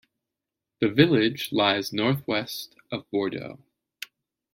The village lies northwest of Bordeaux.